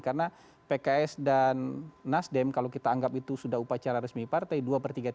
karena pks dan nasdem kalau kita anggap itu sudah upacara resmi partai dua per tiga tiket